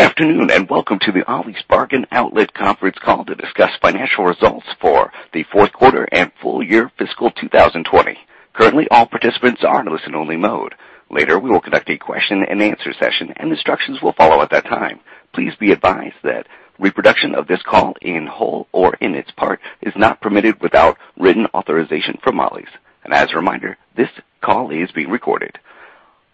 Good afternoon and welcome to the Ollie's Bargain Outlet conference call to discuss financial results for the fourth quarter and full year fiscal 2020. Currently, all participants are in listen-only mode. Later, we will conduct a question-and-answer session and instructions will follow at that time. Please be advised that reproduction of this call in whole or in its part is not permitted without written authorization from Ollie's. As a reminder, this call is being recorded.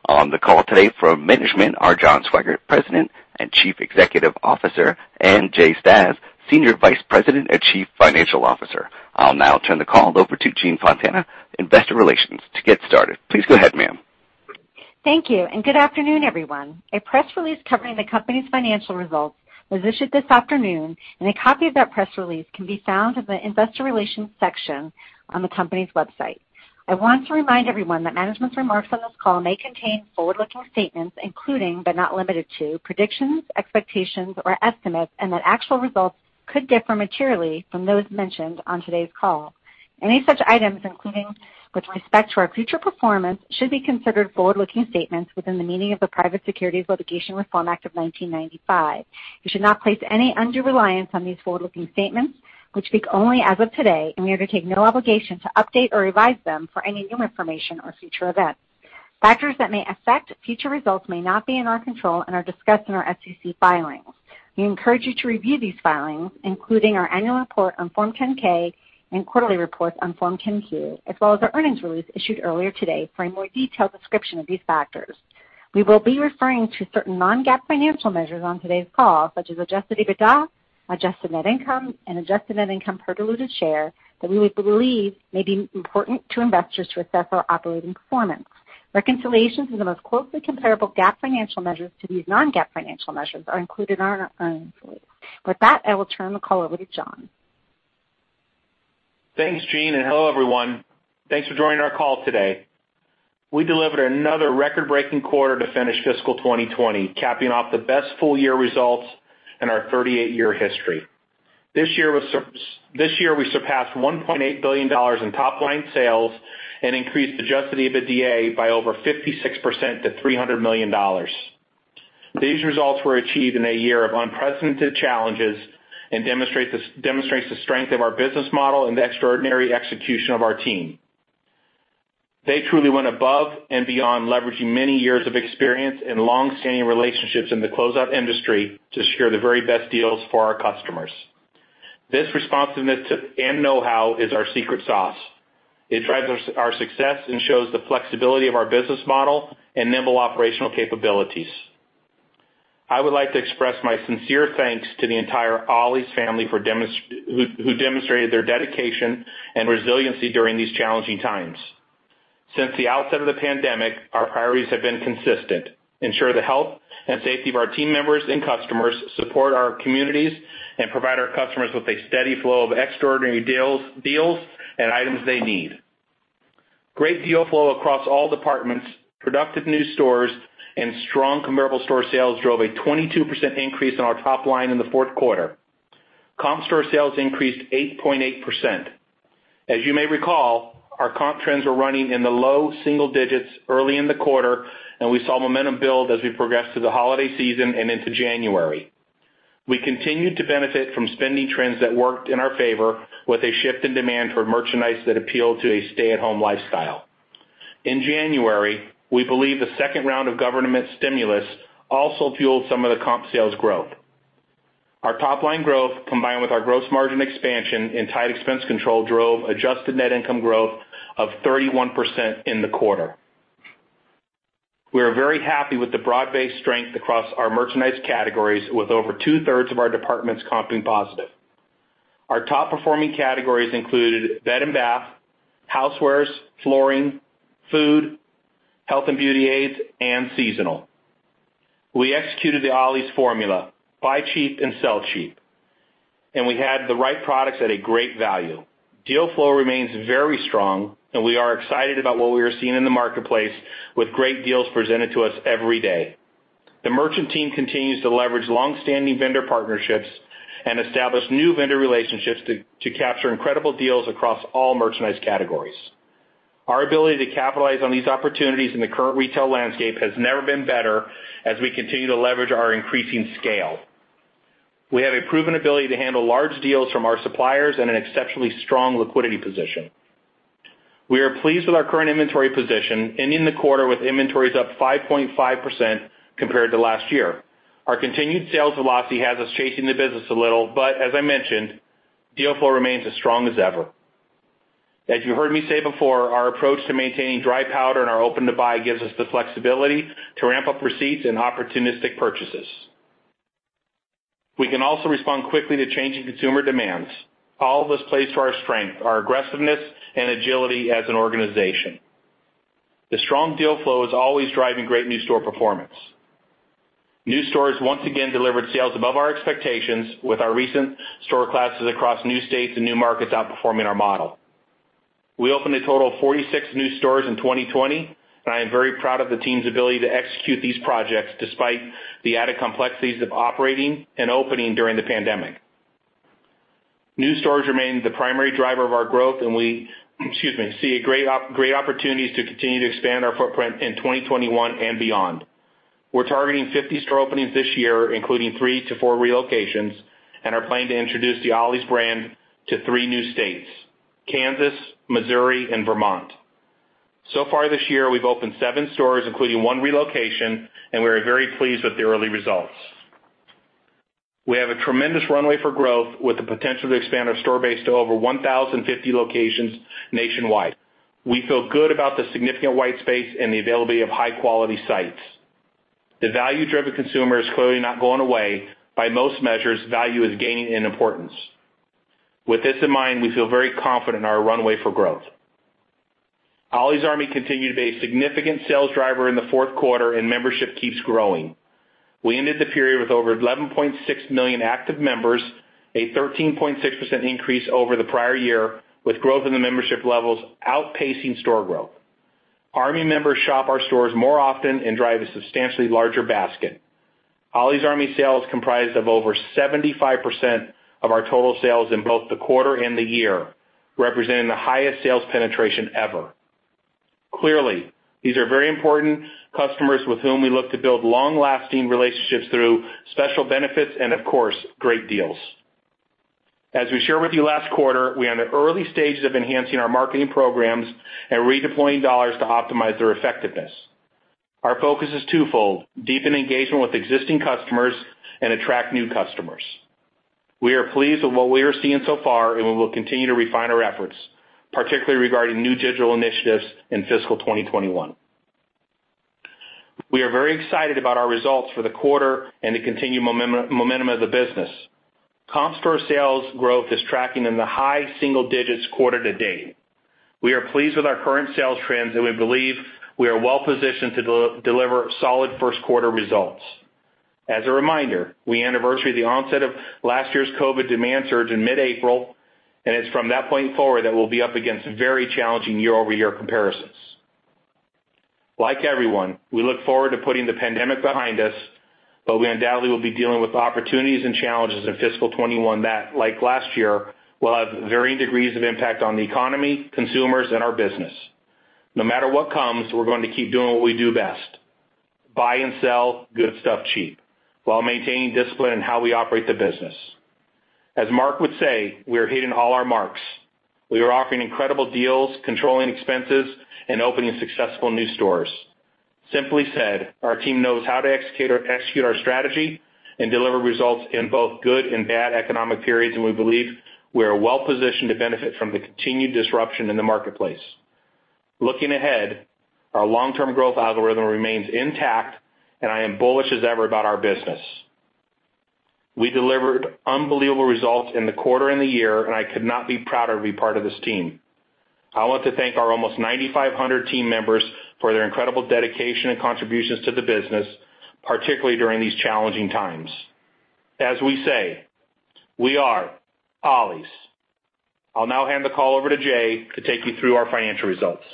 On the call today from management are John Swygert, President and Chief Executive Officer, and Jay Stasz, Senior Vice President and Chief Financial Officer. I'll now turn the call over to Jean Fontana, Investor Relations. To get started, please go ahead, ma'am. Thank you, and good afternoon, everyone. A press release covering the company's financial results was issued this afternoon, and a copy of that press release can be found in the Investor Relations section on the company's website. I want to remind everyone that management's remarks on this call may contain forward-looking statements, including but not limited to predictions, expectations, or estimates, and that actual results could differ materially from those mentioned on today's call. Any such items, including with respect to our future performance, should be considered forward-looking statements within the meaning of the Private Securities Litigation Reform Act of 1995. You should not place any under-reliance on these forward-looking statements, which speak only as of today, and we undertake no obligation to update or revise them for any new information or future events. Factors that may affect future results may not be in our control and are discussed in our SEC filings. We encourage you to review these filings, including our annual report on Form 10-K and quarterly reports on Form 10-Q, as well as our earnings release issued earlier today for a more detailed description of these factors. We will be referring to certain non-GAAP financial measures on today's call, such as Adjusted EBITDA, adjusted net income, and adjusted net income per diluted share, that we believe may be important to investors to assess our operating performance. Reconciliations are the most closely comparable GAAP financial measures to these non-GAAP financial measures are included in our earnings release. With that, I will turn the call over to John. Thanks, Jean, and hello, everyone. Thanks for joining our call today. We delivered another record-breaking quarter to finish fiscal 2020, capping off the best full year results in our 38-year history. This year we surpassed $1.8 billion in top-line sales and increased adjusted EBITDA by over 56% to $300 million. These results were achieved in a year of unprecedented challenges and demonstrate the strength of our business model and the extraordinary execution of our team. They truly went above and beyond leveraging many years of experience and long-standing relationships in the closeout industry to secure the very best deals for our customers. This responsiveness and know-how is our secret sauce. It drives our success and shows the flexibility of our business model and nimble operational capabilities. I would like to express my sincere thanks to the entire Ollie's family who demonstrated their dedication and resiliency during these challenging times. Since the outset of the pandemic, our priorities have been consistent: ensure the health and safety of our team members and customers, support our communities, and provide our customers with a steady flow of extraordinary deals and items they need. Great deal flow across all departments, productive new stores, and strong comparable store sales drove a 22% increase in our top-line in the fourth quarter. Comp store sales increased 8.8%. As you may recall, our comp trends were running in the low single digits early in the quarter, and we saw momentum build as we progressed through the holiday season and into January. We continued to benefit from spending trends that worked in our favor with a shift in demand for merchandise that appealed to a stay-at-home lifestyle. In January, we believe the second round of government stimulus also fueled some of the comp sales growth. Our top-line growth, combined with our gross margin expansion and tight expense control, drove adjusted net income growth of 31% in the quarter. We are very happy with the broad-based strength across our merchandise categories, with over two-thirds of our departments comping positive. Our top-performing categories included bed and bath, housewares, flooring, food, health and beauty aids, and seasonal. We executed the Ollie's formula, buy cheap and sell cheap, and we had the right products at a great value. Deal flow remains very strong, and we are excited about what we are seeing in the marketplace with great deals presented to us every day. The merchant team continues to leverage long-standing vendor partnerships and establish new vendor relationships to capture incredible deals across all merchandise categories. Our ability to capitalize on these opportunities in the current retail landscape has never been better as we continue to leverage our increasing scale. We have a proven ability to handle large deals from our suppliers and an exceptionally strong liquidity position. We are pleased with our current inventory position ending the quarter with inventories up 5.5% compared to last year. Our continued sales velocity has us chasing the business a little, but as I mentioned, deal flow remains as strong as ever. As you've heard me say before, our approach to maintaining dry powder and our open-to-buy gives us the flexibility to ramp up receipts and opportunistic purchases. We can also respond quickly to changing consumer demands. All of this plays to our strength, our aggressiveness, and agility as an organization. The strong deal flow is always driving great new store performance. New stores once again delivered sales above our expectations, with our recent store classes across new states and new markets outperforming our model. We opened a total of 46 new stores in 2020, and I am very proud of the team's ability to execute these projects despite the added complexities of operating and opening during the pandemic. New stores remain the primary driver of our growth, and we see great opportunities to continue to expand our footprint in 2021 and beyond. We're targeting 50 store openings this year, including 3-4 relocations, and are planning to introduce the Ollie's brand to 3 new states: Kansas, Missouri, and Vermont. So far this year, we've opened 7 stores, including 1 relocation, and we are very pleased with the early results. We have a tremendous runway for growth with the potential to expand our store base to over 1,050 locations nationwide. We feel good about the significant white space and the availability of high-quality sites. The value-driven consumer is clearly not going away. By most measures, value is gaining in importance. With this in mind, we feel very confident in our runway for growth. Ollie's Army continues to be a significant sales driver in the fourth quarter, and membership keeps growing. We ended the period with over 11.6 million active members, a 13.6% increase over the prior year, with growth in the membership levels outpacing store growth. Army members shop our stores more often and drive a substantially larger basket. Ollie's Army sales comprise over 75% of our total sales in both the quarter and the year, representing the highest sales penetration ever. Clearly, these are very important customers with whom we look to build long-lasting relationships through special benefits and, of course, great deals. As we share with you last quarter, we are in the early stages of enhancing our marketing programs and redeploying dollars to optimize their effectiveness. Our focus is twofold: deepen engagement with existing customers and attract new customers. We are pleased with what we are seeing so far, and we will continue to refine our efforts, particularly regarding new digital initiatives in fiscal 2021. We are very excited about our results for the quarter and the continued momentum of the business. Comps store sales growth is tracking in the high single digits quarter to date. We are pleased with our current sales trends, and we believe we are well-positioned to deliver solid first-quarter results. As a reminder, we anniversary the onset of last year's COVID demand surge in mid-April, and it's from that point forward that we'll be up against very challenging year-over-year comparisons. Like everyone, we look forward to putting the pandemic behind us, but we undoubtedly will be dealing with opportunities and challenges in fiscal 2021 that, like last year, will have varying degrees of impact on the economy, consumers, and our business. No matter what comes, we're going to keep doing what we do best: buy and sell Good Stuff Cheap while maintaining discipline in how we operate the business. As Mark would say, we are hitting all our marks. We are offering incredible deals, controlling expenses, and opening successful new stores. Simply said, our team knows how to execute our strategy and deliver results in both good and bad economic periods, and we believe we are well-positioned to benefit from the continued disruption in the marketplace. Looking ahead, our long-term growth algorithm remains intact, and I am bullish as ever about our business. We delivered unbelievable results in the quarter and the year, and I could not be prouder to be part of this team. I want to thank our almost 9,500 team members for their incredible dedication and contributions to the business, particularly during these challenging times. As we say, we are Ollie's. I'll now hand the call over to Jay to take you through our financial results.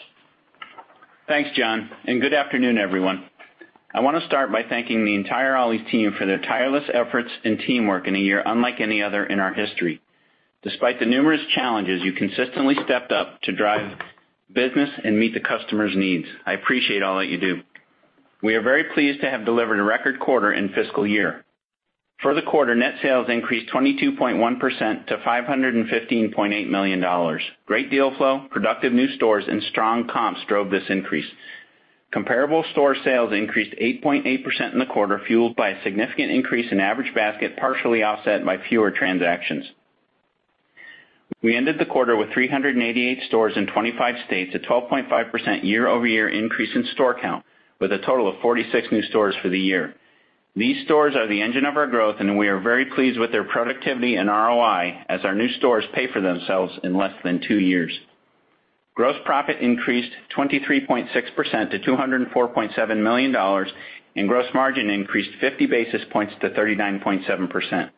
Thanks, John, and good afternoon, everyone. I want to start by thanking the entire Ollie's team for their tireless efforts and teamwork in a year unlike any other in our history. Despite the numerous challenges, you consistently stepped up to drive business and meet the customers' needs. I appreciate all that you do. We are very pleased to have delivered a record quarter in fiscal year. For the quarter, net sales increased 22.1% to $515.8 million. Great deal flow, productive new stores, and strong comps drove this increase. Comparable store sales increased 8.8% in the quarter, fueled by a significant increase in average basket partially offset by fewer transactions. We ended the quarter with 388 stores in 25 states, a 12.5% year-over-year increase in store count, with a total of 46 new stores for the year. These stores are the engine of our growth, and we are very pleased with their productivity and ROI as our new stores pay for themselves in less than two years. Gross profit increased 23.6% to $204.7 million, and gross margin increased 50 basis points to 39.7%.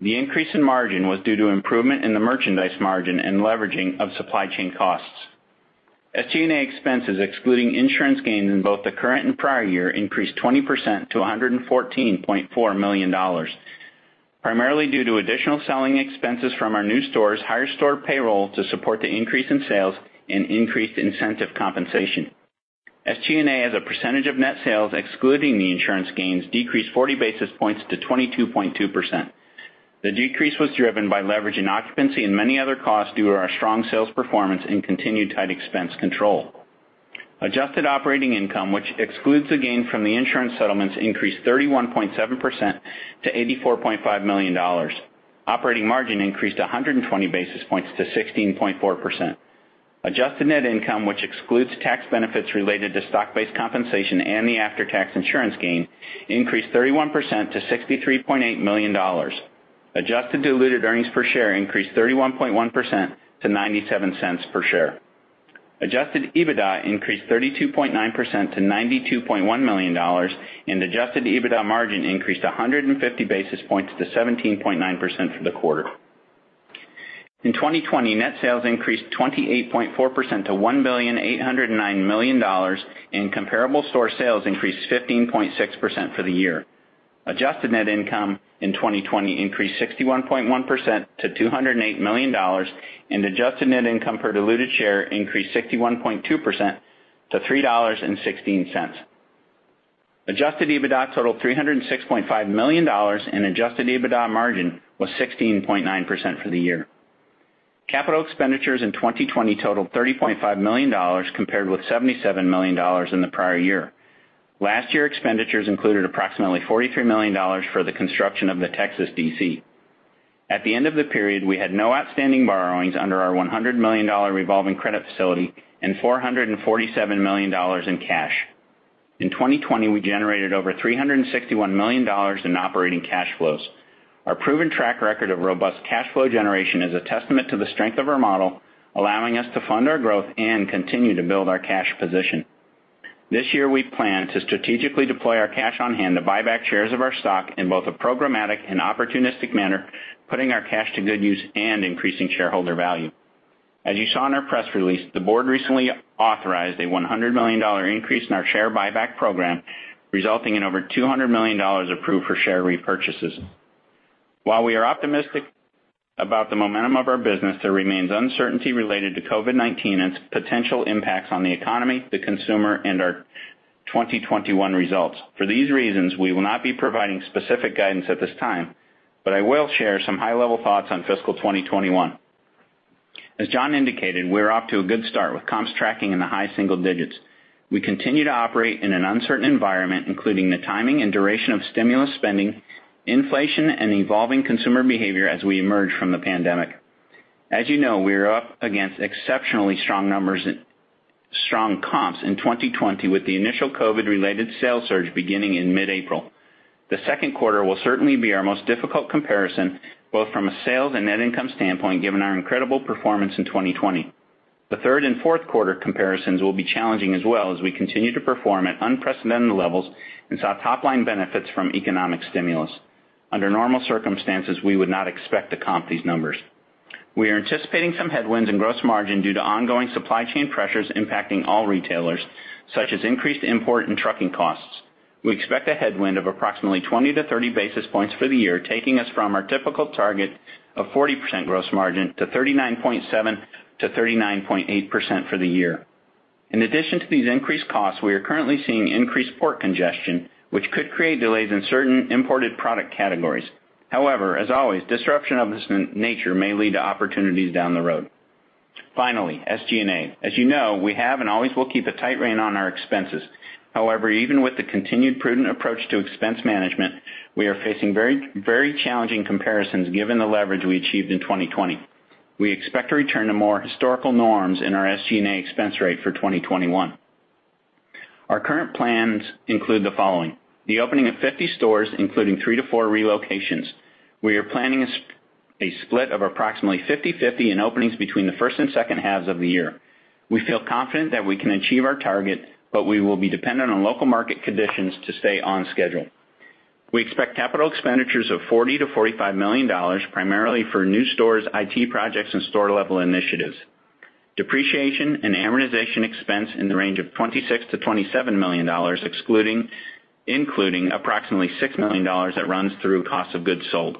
The increase in margin was due to improvement in the merchandise margin and leveraging of supply chain costs. SG&A expenses, excluding insurance gains in both the current and prior year, increased 20% to $114.4 million, primarily due to additional selling expenses from our new stores, higher store payroll to support the increase in sales, and increased incentive compensation. SG&A, as a percentage of net sales excluding the insurance gains, decreased 40 basis points to 22.2%. The decrease was driven by leveraging occupancy and many other costs due to our strong sales performance and continued tight expense control. Adjusted operating income, which excludes the gain from the insurance settlements, increased 31.7% to $84.5 million. Operating margin increased 120 basis points to 16.4%. Adjusted net income, which excludes tax benefits related to stock-based compensation and the after-tax insurance gain, increased 31% to $63.8 million. Adjusted diluted earnings per share increased 31.1% to $0.97 per share. Adjusted EBITDA increased 32.9% to $92.1 million, and adjusted EBITDA margin increased 150 basis points to 17.9% for the quarter. In 2020, net sales increased 28.4% to $1,809,000,000, and comparable store sales increased 15.6% for the year. Adjusted net income in 2020 increased 61.1% to $208,000,000, and adjusted net income per diluted share increased 61.2% to $3.16. Adjusted EBITDA totaled $306.5 million, and adjusted EBITDA margin was 16.9% for the year. Capital expenditures in 2020 totaled $30.5 million compared with $77 million in the prior year. Last year's expenditures included approximately $43 million for the construction of the Texas DC. At the end of the period, we had no outstanding borrowings under our $100 million revolving credit facility and $447 million in cash. In 2020, we generated over $361 million in operating cash flows. Our proven track record of robust cash flow generation is a testament to the strength of our model, allowing us to fund our growth and continue to build our cash position. This year, we plan to strategically deploy our cash on hand to buy back shares of our stock in both a programmatic and opportunistic manner, putting our cash to good use and increasing shareholder value. As you saw in our press release, the board recently authorized a $100 million increase in our share buyback program, resulting in over $200 million approved for share repurchases. While we are optimistic about the momentum of our business, there remains uncertainty related to COVID-19 and its potential impacts on the economy, the consumer, and our 2021 results. For these reasons, we will not be providing specific guidance at this time, but I will share some high-level thoughts on fiscal 2021. As John indicated, we are off to a good start with comps tracking in the high single digits. We continue to operate in an uncertain environment, including the timing and duration of stimulus spending, inflation, and evolving consumer behavior as we emerge from the pandemic. As you know, we are up against exceptionally strong comps in 2020, with the initial COVID-related sales surge beginning in mid-April. The second quarter will certainly be our most difficult comparison, both from a sales and net income standpoint, given our incredible performance in 2020. The third and fourth quarter comparisons will be challenging as well, as we continue to perform at unprecedented levels and saw top-line benefits from economic stimulus. Under normal circumstances, we would not expect to comp these numbers. We are anticipating some headwinds in gross margin due to ongoing supply chain pressures impacting all retailers, such as increased import and trucking costs. We expect a headwind of approximately 20-30 basis points for the year, taking us from our typical target of 40% gross margin to 39.7%-39.8% for the year. In addition to these increased costs, we are currently seeing increased port congestion, which could create delays in certain imported product categories. However, as always, disruption of this nature may lead to opportunities down the road. Finally, SG&A. As you know, we have and always will keep a tight rein on our expenses. However, even with the continued prudent approach to expense management, we are facing very challenging comparisons given the leverage we achieved in 2020. We expect to return to more historical norms in our SG&A expense rate for 2021. Our current plans include the following: the opening of 50 stores, including 3-4 relocations. We are planning a split of approximately 50/50 in openings between the first and second halves of the year. We feel confident that we can achieve our target, but we will be dependent on local market conditions to stay on schedule. We expect capital expenditures of $40-$45 million, primarily for new stores, IT projects, and store-level initiatives. Depreciation and amortization expense in the range of $26-$27 million, including approximately $6 million that runs through cost of goods sold.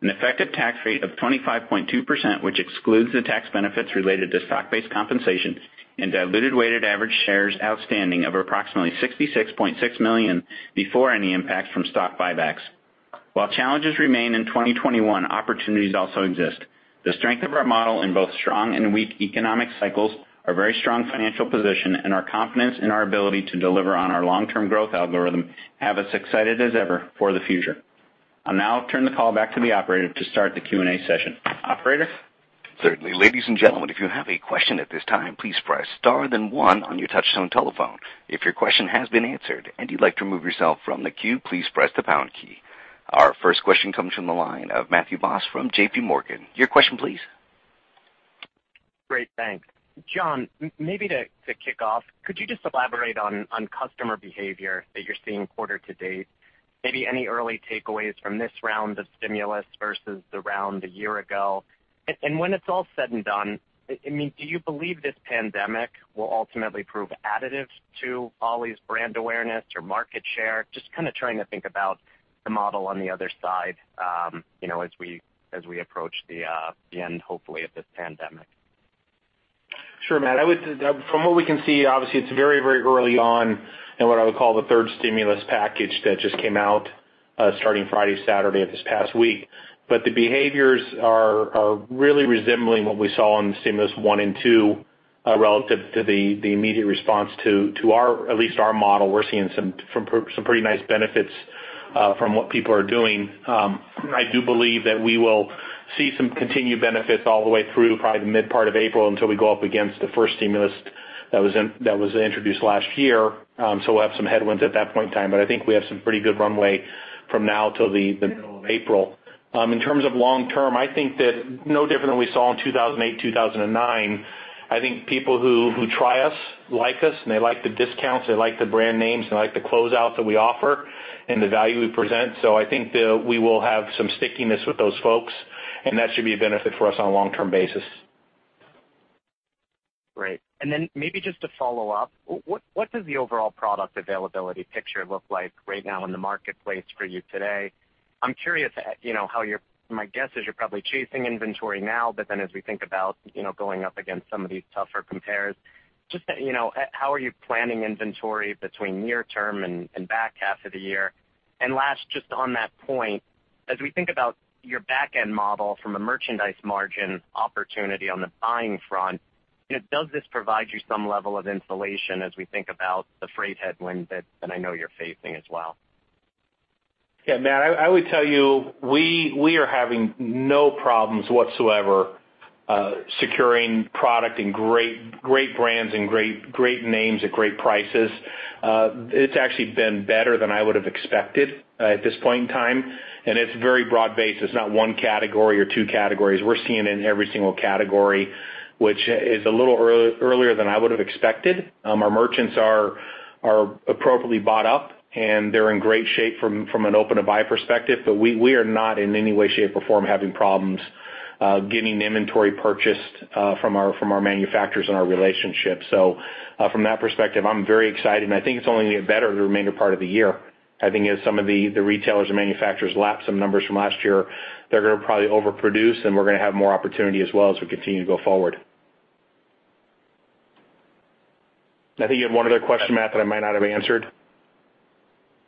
An effective tax rate of 25.2%, which excludes the tax benefits related to stock-based compensation, and diluted weighted average shares outstanding of approximately $66.6 million before any impacts from stock buybacks. While challenges remain in 2021, opportunities also exist. The strength of our model in both strong and weak economic cycles, our very strong financial position, and our confidence in our ability to deliver on our long-term growth algorithm have us excited as ever for the future. I'll now turn the call back to the operator to start the Q&A session. Operator? Certainly. Ladies and gentlemen, if you have a question at this time, please press star, then one on your touch-tone telephone. If your question has been answered and you'd like to remove yourself from the queue, please press the pound key. Our first question comes from the line of Matthew Boss from J.P. Morgan. Your question, please. Great, thanks. John, maybe to kick off, could you just elaborate on customer behavior that you're seeing quarter to date? Maybe any early takeaways from this round of stimulus versus the round a year ago? When it's all said and done, do you believe this pandemic will ultimately prove additive to Ollie's brand awareness or market share? Just trying to think about the model on the other side as we approach the end, hopefully, of this pandemic. Sure, Matt. From what we can see, obviously, it's very, very early on in what I would call the third stimulus package that just came out starting Friday, Saturday of this past week. But the behaviors are really resembling what we saw on the stimulus one and two relative to the immediate response to at least our model. We're seeing some pretty nice benefits from what people are doing. I do believe that we will see some continued benefits all the way through probably the mid-part of April until we go up against the first stimulus that was introduced last year. So we'll have some headwinds at that point in time, but I think we have some pretty good runway from now until the middle of April. In terms of long-term, I think that no different than we saw in 2008, 2009, I think people who try us like us, and they like the discounts, they like the brand names, they like the closeouts that we offer and the value we present. So I think that we will have some stickiness with those folks, and that should be a benefit for us on a long-term basis. Great. Then maybe just to follow up, what does the overall product availability picture look like right now in the marketplace for you today? I'm curious how you're. My guess is you're probably chasing inventory now, but then as we think about going up against some of these tougher compares, just how are you planning inventory between near-term and back half of the year? Last, just on that point, as we think about your back-end model from a merchandise margin opportunity on the buying front, does this provide you some level of insulation as we think about the freight headwind that I know you're facing as well? Yeah, Matt. I would tell you we are having no problems whatsoever securing product in great brands and great names at great prices. It's actually been better than I would have expected at this point in time, and it's very broad-based. It's not one category or two categories. We're seeing it in every single category, which is a little earlier than I would have expected. Our merchants are appropriately bought up, and they're in great shape from an open-to-buy perspective, but we are not in any way, shape, or form having problems getting inventory purchased from our manufacturers and our relationships. So from that perspective, I'm very excited, and I think it's only going to get better the remainder part of the year. I think as some of the retailers and manufacturers lap some numbers from last year, they're going to probably overproduce, and we're going to have more opportunity as well as we continue to go forward. I think you had one other question, Matt, that I might not have answered.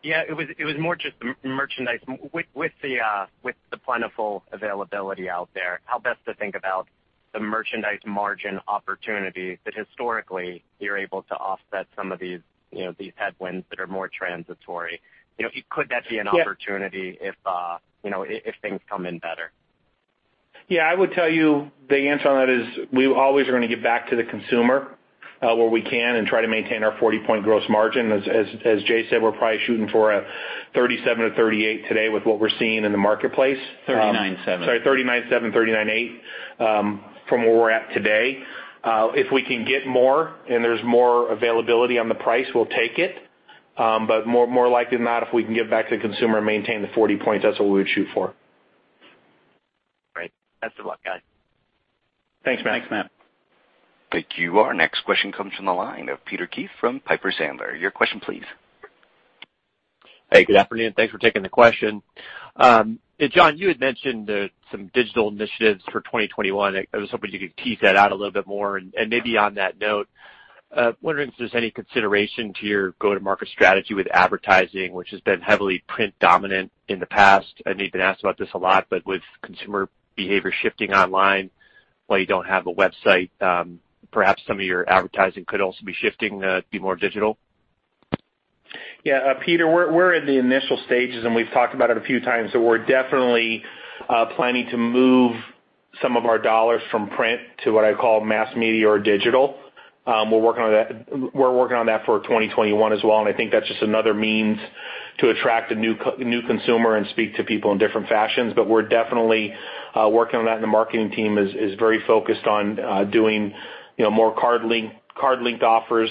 Yeah, it was more just the merchandise. With the plentiful availability out there, how best to think about the merchandise margin opportunity that historically you're able to offset some of these headwinds that are more transitory? Could that be an opportunity if things come in better? Yeah, I would tell you the answer on that is we always are going to get back to the consumer where we can and try to maintain our 40% gross margin. As Jay said, we're probably shooting for a 37% or 38% today with what we're seeing in the marketplace. 39.7. Sorry, 39.7, 39.8 from where we're at today. If we can get more and there's more availability on the price, we'll take it. But more likely than not, if we can get back to the consumer and maintain the 40 points, that's what we would shoot for. Great. Best of luck, guys. Thanks, Matt. Thank you. Our next question comes from the line of Peter Keith from Piper Sandler. Your question, please. Hey, good afternoon. Thanks for taking the question. John, you had mentioned some digital initiatives for 2021. I was hoping you could tease that out a little bit more. And maybe on that note, wondering if there's any consideration to your go-to-market strategy with advertising, which has been heavily print-dominant in the past. I know you've been asked about this a lot, but with consumer behavior shifting online while you don't have a website, perhaps some of your advertising could also be shifting to be more digital? Yeah, Peter, we're in the initial stages, and we've talked about it a few times, but we're definitely planning to move some of our dollars from print to what I call mass media or digital. We're working on that for 2021 as well, and I think that's just another means to attract a new consumer and speak to people in different fashions. But we're definitely working on that, and the marketing team is very focused on doing more card-linked offers,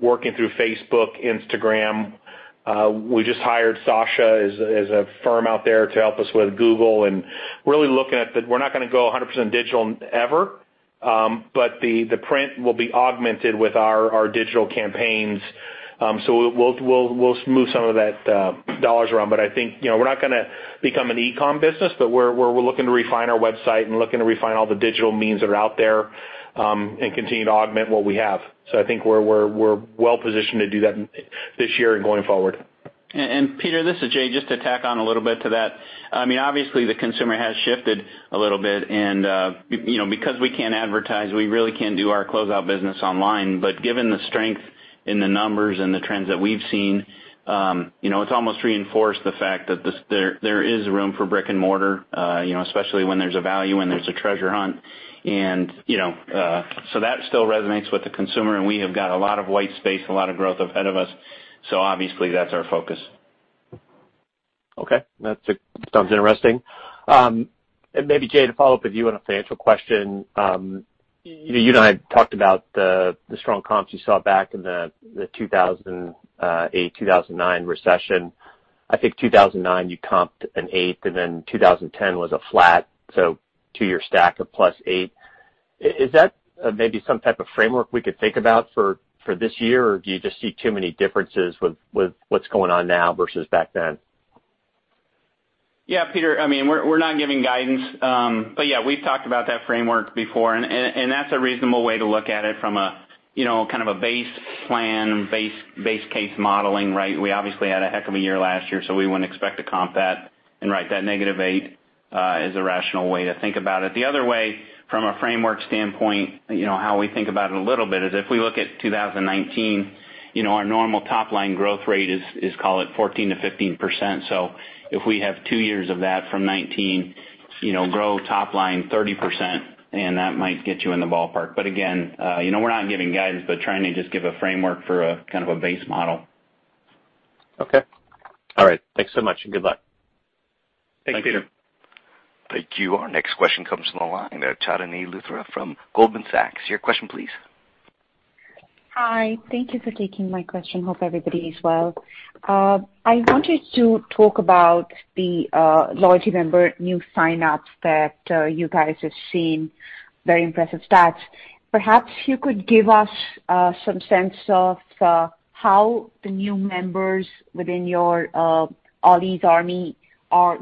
working through Facebook, Instagram. We just hired Sasha as a firm out there to help us with Google and really looking at the we're not going to go 100% digital ever, but the print will be augmented with our digital campaigns. So we'll smooth some of that dollars around. But I think we're not going to become an e-comm business, but we're looking to refine our website and looking to refine all the digital means that are out there and continue to augment what we have. So I think we're well-positioned to do that this year and going forward. And Peter, this is Jay, just to tack on a little bit to that. Obviously, the consumer has shifted a little bit, and because we can't advertise, we really can't do our closeout business online. But given the strength in the numbers and the trends that we've seen, it's almost reinforced the fact that there is room for brick and mortar, especially when there's a value, when there's a treasure hunt. And so that still resonates with the consumer, and we have got a lot of white space, a lot of growth ahead of us. So obviously, that's our focus. Okay. That sounds interesting. And maybe, Jay, to follow up with you on a financial question, you and I talked about the strong comps you saw back in the 2008, 2009 recession. I think 2009, you comped an 8, and then 2010 was a flat, so two-year stack of +8. Is that maybe some type of framework we could think about for this year, or do you just see too many differences with what's going on now versus back then? Yeah, Peter, we're not giving guidance. But yeah, we've talked about that framework before, and that's a reasonable way to look at it from kind of a base plan, base case modeling, right? We obviously had a heck of a year last year, so we wouldn't expect to comp that and write that -8 as a rational way to think about it. The other way, from a framework standpoint, how we think about it a little bit is if we look at 2019, our normal top-line growth rate is, call it, 14%-15%. So if we have two years of that from 2019, grow top-line 30%, and that might get you in the ballpark. But again, we're not giving guidance, but trying to just give a framework for kind of a base model. Okay. All right. Thanks so much, and good luck. Thank you. Thank you. Our next question comes from the line, Chandni Luthra from Goldman Sachs. Your question, please. Hi. Thank you for taking my question. Hope everybody's well. I wanted to talk about the loyalty member new signups that you guys have seen, very impressive stats. Perhaps you could give us some sense of how the new members within your Ollie's Army are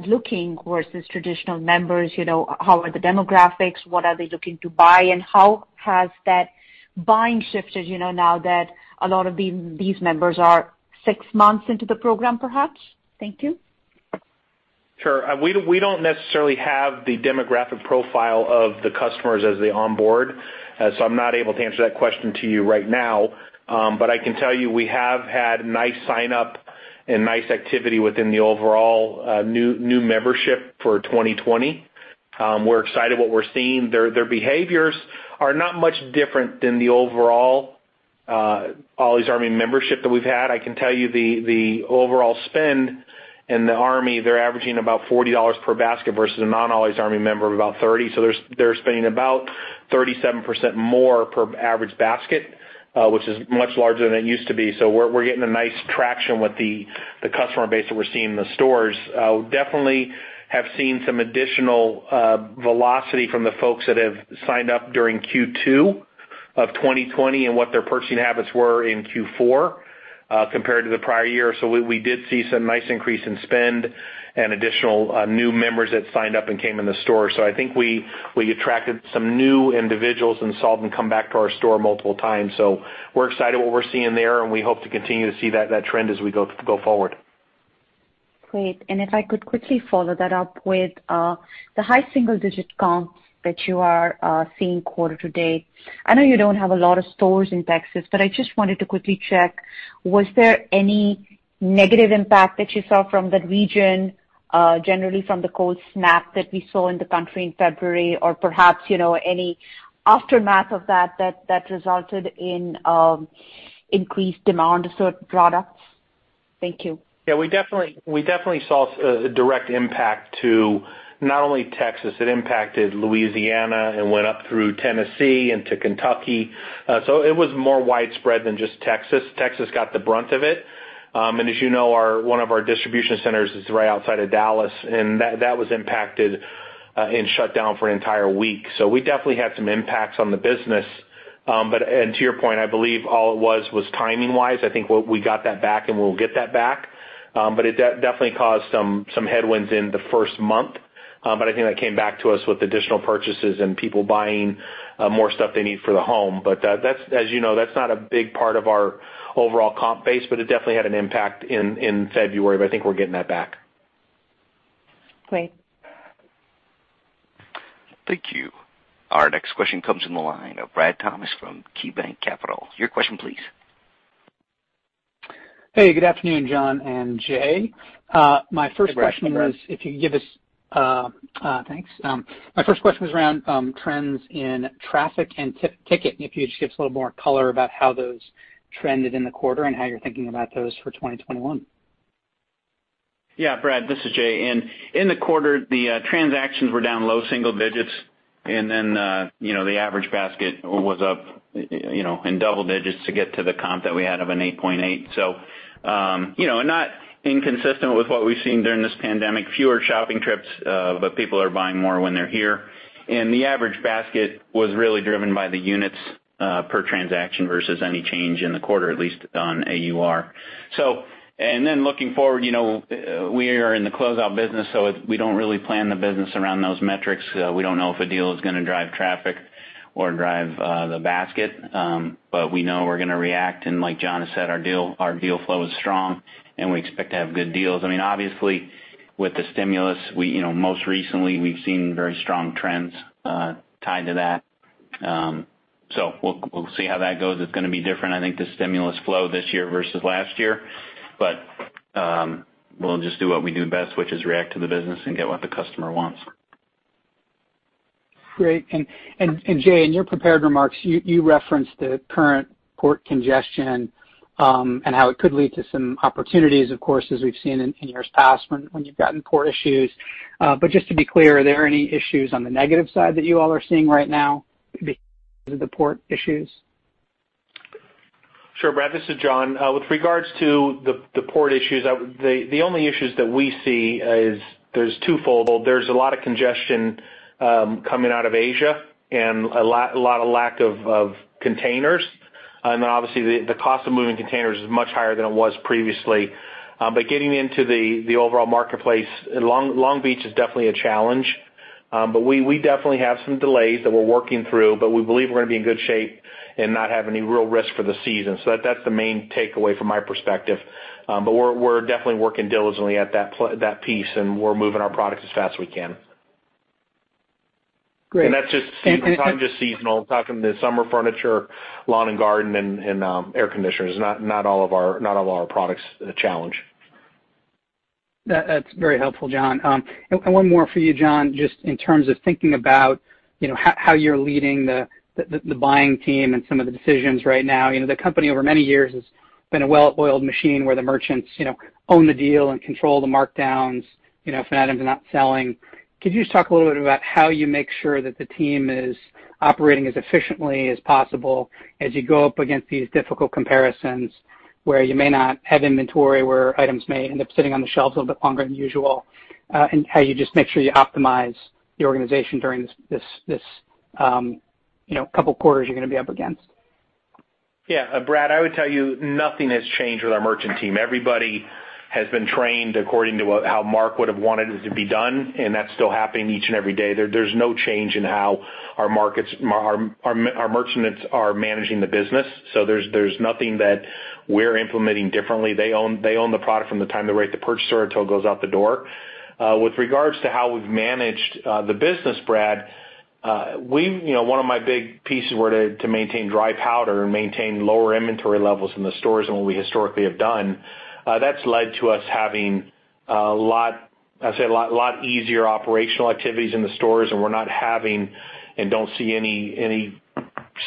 looking versus traditional members. How are the demographics? What are they looking to buy, and how has that buying shifted now that a lot of these members are six months into the program, perhaps? Thank you. Sure. We don't necessarily have the demographic profile of the customers as they onboard, so I'm not able to answer that question to you right now. But I can tell you we have had nice signup and nice activity within the overall new membership for 2020. We're excited what we're seeing. Their behaviors are not much different than the overall Ollie's Army membership that we've had. I can tell you the overall spend in the Army, they're averaging about $40 per basket versus a non-Ollie's Army member of about $30. So they're spending about 37% more per average basket, which is much larger than it used to be. So we're getting a nice traction with the customer base that we're seeing in the stores. We definitely have seen some additional velocity from the folks that have signed up during Q2 of 2020 and what their purchasing habits were in Q4 compared to the prior year. So we did see some nice increase in spend and additional new members that signed up and came in the store. So I think we attracted some new individuals and saw them come back to our store multiple times. So we're excited what we're seeing there, and we hope to continue to see that trend as we go forward. Great. And if I could quickly follow that up with the high single-digit comps that you are seeing quarter to date, I know you don't have a lot of stores in Texas, but I just wanted to quickly check, was there any negative impact that you saw from that region, generally from the cold snap that we saw in the country in February, or perhaps any aftermath of that that resulted in increased demand of certain products? Thank you. Yeah, we definitely saw a direct impact to not only Texas. It impacted Louisiana and went up through Tennessee and to Kentucky. So it was more widespread than just Texas. Texas got the brunt of it. And as you know, one of our distribution centers is right outside of Dallas, and that was impacted and shut down for an entire week. So we definitely had some impacts on the business. And to your point, I believe all it was was timing-wise. I think we got that back, and we'll get that back. But it definitely caused some headwinds in the first month, but I think that came back to us with additional purchases and people buying more stuff they need for the home. As you know, that's not a big part of our overall comp base, but it definitely had an impact in February, but I think we're getting that back. Great. Thank you. Our next question comes from the line of Brad Thomas from KeyBanc Capital Markets. Your question, please. Hey, good afternoon, John and Jay. My first question was around trends in traffic and ticket, and if you could just give us a little more color about how those trended in the quarter and how you're thinking about those for 2021. Yeah, Brad. This is Jay. In the quarter, the transactions were down low single digits, and then the average basket was up in double digits to get to the comp that we had of an 8.8. So not inconsistent with what we've seen during this pandemic. Fewer shopping trips, but people are buying more when they're here. And the average basket was really driven by the units per transaction versus any change in the quarter, at least on AUR. And then looking forward, we are in the closeout business, so we don't really plan the business around those metrics. We don't know if a deal is going to drive traffic or drive the basket, but we know we're going to react. And like John has said, our deal flow is strong, and we expect to have good deals. Obviously, with the stimulus, most recently, we've seen very strong trends tied to that. So we'll see how that goes. It's going to be different, I think, the stimulus flow this year versus last year. But we'll just do what we do best, which is react to the business and get what the customer wants. Great. And Jay, in your prepared remarks, you referenced the current port congestion and how it could lead to some opportunities, of course, as we've seen in years past when you've gotten port issues. But just to be clear, are there any issues on the negative side that you all are seeing right now because of the port issues? Sure, Brad. This is John. With regards to the port issues, the only issues that we see is there's twofold. There's a lot of congestion coming out of Asia and a lot of lack of containers. And then obviously, the cost of moving containers is much higher than it was previously. But getting into the overall marketplace, Long Beach is definitely a challenge. But we definitely have some delays that we're working through, but we believe we're going to be in good shape and not have any real risk for the season. So that's the main takeaway from my perspective. But we're definitely working diligently at that piece, and we're moving our products as fast as we can. And that's just I'm just seasonal, talking to summer furniture, lawn and garden, and air conditioners. Not all of our products are a challenge. That's very helpful, John. And one more for you, John, just in terms of thinking about how you're leading the buying team and some of the decisions right now. The company, over many years, has been a well-oiled machine where the merchants own the deal and control the markdowns if an item's not selling. Could you just talk a little bit about how you make sure that the team is operating as efficiently as possible as you go up against these difficult comparisons where you may not have inventory, where items may end up sitting on the shelves a little bit longer than usual, and how you just make sure you optimize your organization during this couple of quarters you're going to be up against? Yeah. Brad, I would tell you nothing has changed with our merchant team. Everybody has been trained according to how Mark would have wanted it to be done, and that's still happening each and every day. There's no change in how our merchants are managing the business. So there's nothing that we're implementing differently. They own the product from the time they rate the purchase until it goes out the door. With regards to how we've managed the business, Brad, one of my big pieces were to maintain dry powder and maintain lower inventory levels in the stores than what we historically have done. That's led to us having a lot, I say, a lot easier operational activities in the stores, and we're not having and don't see any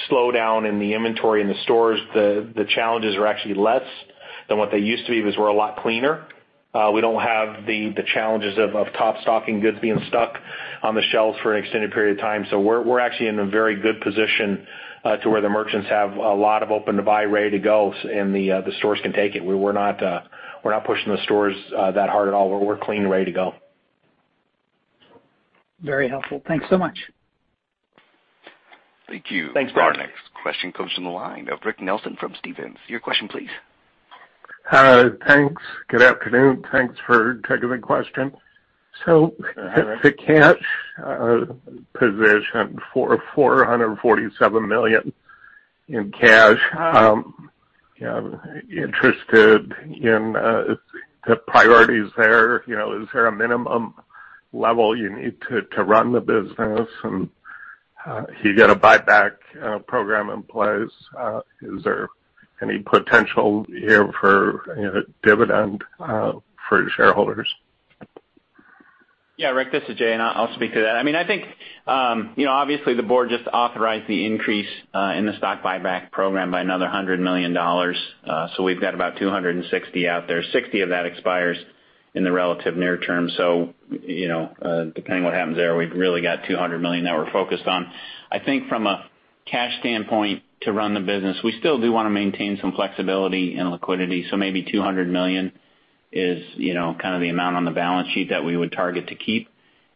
slowdown in the inventory in the stores. The challenges are actually less than what they used to be because we're a lot cleaner. We don't have the challenges of top-stocking goods being stuck on the shelves for an extended period of time. So we're actually in a very good position to where the merchants have a lot of open-to-buy, ready to go, and the stores can take it. We're not pushing the stores that hard at all. We're clean, ready to go. Very helpful. Thanks so much. Thank you. Thanks, Brad. Our next question comes from the line of Rick Nelson from Stephens. Your question, please. Thanks. Good afternoon. Thanks for taking the question. So the cash position of $447 million in cash, interested in the priorities there. Is there a minimum level you need to run the business, and you got a buyback program in place? Is there any potential here for dividend for shareholders? Yeah, Rick. This is Jay, and I'll speak to that. I think, obviously, the board just authorized the increase in the stock buyback program by another $100 million. So we've got about $260 million out there. $60 million of that expires in the relative near term. So depending on what happens there, we've really got $200 million that we're focused on. I think from a cash standpoint to run the business, we still do want to maintain some flexibility and liquidity. So maybe $200 million is kind of the amount on the balance sheet that we would target to keep.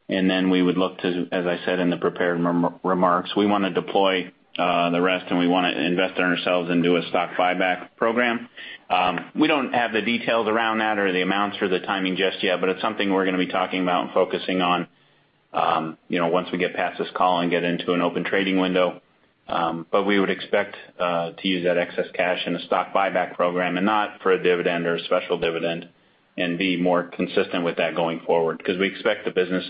And then we would look to, as I said in the prepared remarks, we want to deploy the rest, and we want to invest in ourselves and do a stock buyback program. We don't have the details around that or the amounts or the timing just yet, but it's something we're going to be talking about and focusing on once we get past this call and get into an open trading window. But we would expect to use that excess cash in a stock buyback program and not for a dividend or a special dividend and be more consistent with that going forward because we expect the business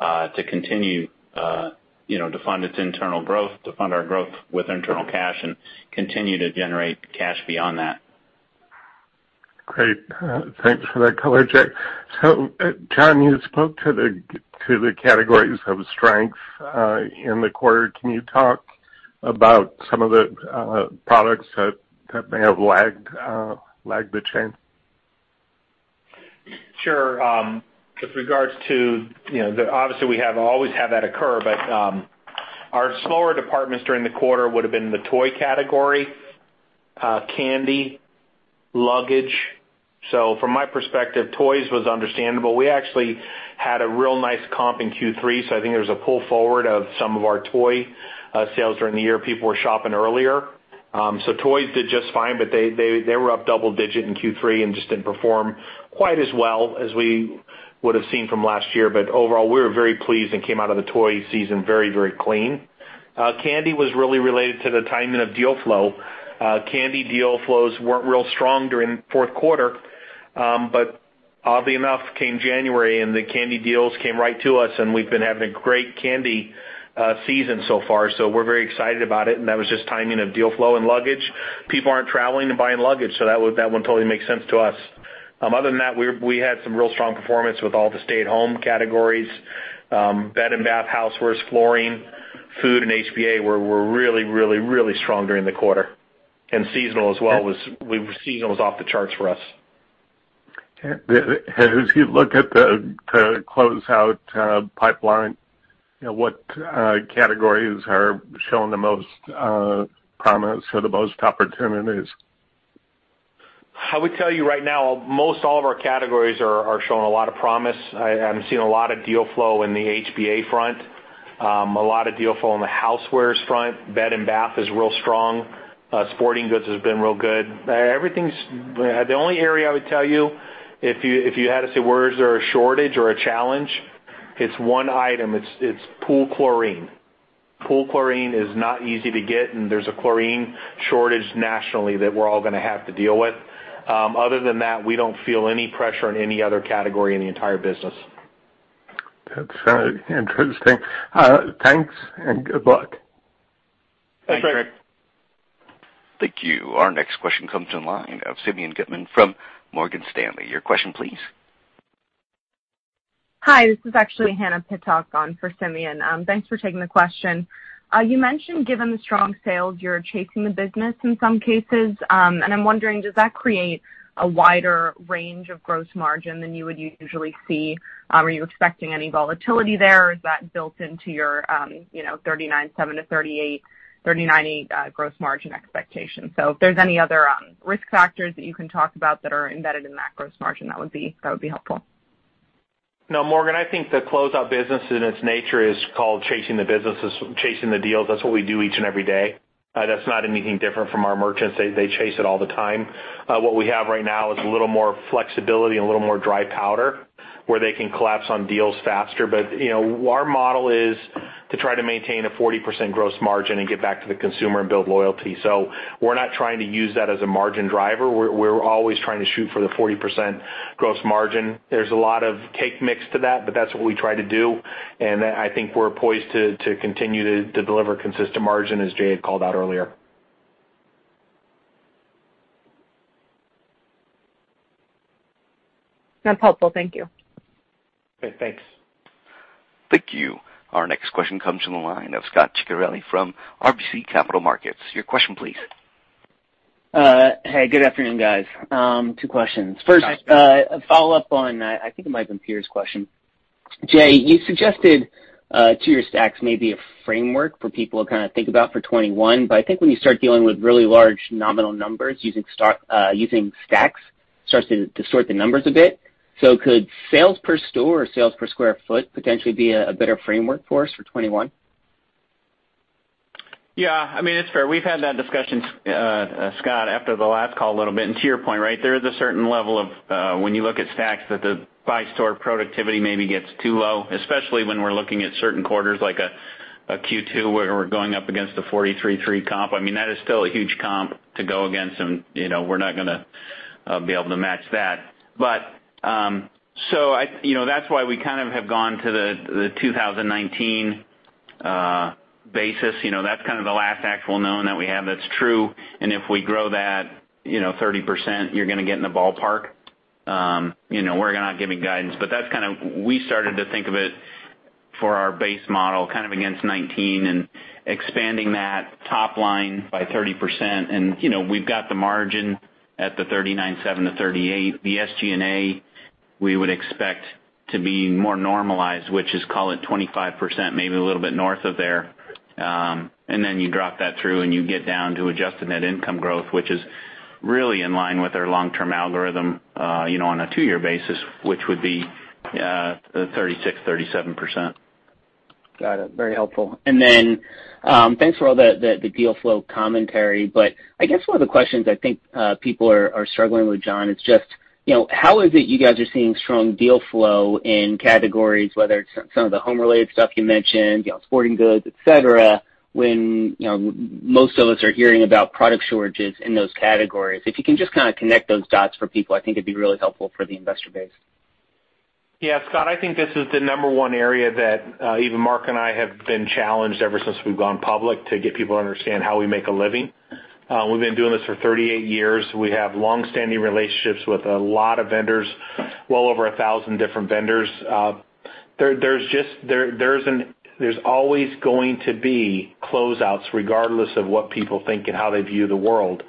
to continue to fund its internal growth, to fund our growth with internal cash, and continue to generate cash beyond that. Great. Thanks for that [color], Jay. So John, you spoke to the categories of strengths in the quarter. Can you talk about some of the products that may have lagged the chain? Sure. With regards to, obviously, we always have that occur, but our slower departments during the quarter would have been the toy category, candy, luggage. So from my perspective, toys was understandable. We actually had a real nice comp in Q3, so I think there was a pull forward of some of our toy sales during the year. People were shopping earlier. So toys did just fine, but they were up double digit in Q3 and just didn't perform quite as well as we would have seen from last year. But overall, we were very pleased and came out of the toy season very, very clean. Candy was really related to the timing of deal flow. Candy deal flows weren't real strong during fourth quarter, but oddly enough, came January, and the candy deals came right to us, and we've been having a great candy season so far. So we're very excited about it, and that was just timing of deal flow and luggage. People aren't traveling and buying luggage, so that one totally makes sense to us. Other than that, we had some real strong performance with all the stay-at-home categories: bed and bath, housewares, flooring, food, and HBA were really, really, really strong during the quarter. And seasonal as well was off the charts for us. If you look at the closeout pipeline, what categories are showing the most promise or the most opportunities? I would tell you right now, most all of our categories are showing a lot of promise. I'm seeing a lot of deal flow in the HBA front, a lot of deal flow in the housewares front. Bed and bath is real strong. Sporting goods has been real good. The only area I would tell you, if you had to say where there's a shortage or a challenge, it's one item. It's pool chlorine. Pool chlorine is not easy to get, and there's a chlorine shortage nationally that we're all going to have to deal with. Other than that, we don't feel any pressure in any other category in the entire business. That's interesting. Thanks and good luck. Thanks, Rick. Thank you. Our next question comes from the line of Simeon Gutman from Morgan Stanley. Your question, please Hi. This is actually Hannah Pittock on for Simeon. Thanks for taking the question. You mentioned, given the strong sales, you're chasing the business in some cases. I'm wondering, does that create a wider range of gross margin than you would usually see? Are you expecting any volatility there, or is that built into your 39.7%-39.8% gross margin expectations? So if there's any other risk factors that you can talk about that are embedded in that gross margin, that would be helpful. No, Morgan, I think the closeout business, in its nature, is called chasing the businesses, chasing the deals. That's what we do each and every day. That's not anything different from our merchants. They chase it all the time. What we have right now is a little more flexibility and a little more dry powder where they can collapse on deals faster. But our model is to try to maintain a 40% gross margin and get back to the consumer and build loyalty. So we're not trying to use that as a margin driver. We're always trying to shoot for the 40% gross margin. There's a lot of give and take to that, but that's what we try to do. And I think we're poised to continue to deliver consistent margin, as Jay had called out earlier. That's helpful. Thank you. Okay. Thanks. Thank you. Our next question comes from the line of Scot Ciccarelli from RBC Capital Markets. Your question, please. Hey, good afternoon, guys. Two questions. First, follow up on I think it might have been Peter's question. Jay, you suggested to use stacks maybe a framework for people to kind of think about for 2021, but I think when you start dealing with really large nominal numbers, using stacks starts to distort the numbers a bit. So could sales per store or sales per square foot potentially be a better framework for us for 2021? Yeah. I mean, it's fair. We've had that discussion, Scot, after the last call a little bit. And to your point, right, there is a certain level of when you look at stacks, that the by-store productivity maybe gets too low, especially when we're looking at certain quarters like a Q2 where we're going up against a 43.3 comp. I mean, that is still a huge comp to go against, and we're not going to be able to match that. So that's why we kind of have gone to the 2019 basis. That's kind of the last actual known that we have that's true. And if we grow that 30%, you're going to get in the ballpark. We're not giving guidance, but that's kind of we started to think of it for our base model kind of against 2019 and expanding that top line by 30%. We've got the margin at 39.7%-38%. The SG&A, we would expect to be more normalized, which is call it 25%, maybe a little bit north of there. And then you drop that through, and you get down to adjusting that income growth, which is really in line with our long-term algorithm on a two-year basis, which would be 36%-37%. Got it. Very helpful. And then thanks for all the deal flow commentary. But I guess one of the questions I think people are struggling with, John, is just how is it you guys are seeing strong deal flow in categories, whether it's some of the home-related stuff you mentioned, sporting goods, etc., when most of us are hearing about product shortages in those categories? If you can just kind of connect those dots for people, I think it'd be really helpful for the investor base. Yeah, Scot, I think this is the number one area that even Mark and I have been challenged ever since we've gone public to get people to understand how we make a living. We've been doing this for 38 years. We have longstanding relationships with a lot of vendors, well over 1,000 different vendors. There's always going to be closeouts regardless of what people think and how they view the world.